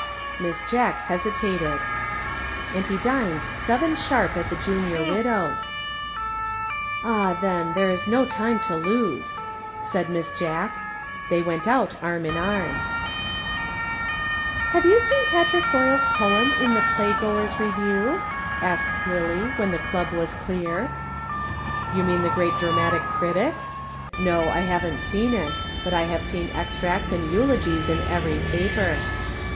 Miss Jack hesitated. "And he dines seven sharp at the Junior Widows'." "Ah then, there is no time to lose," said Miss Jack. They went out arm in arm. "Have you seen Patrick Boyle's poem in the Playgoers' Review?" asked Lillie, when the club was clear. "You mean the great dramatic critic's? No, I haven't seen it, but I have seen extracts and eulogies in every paper."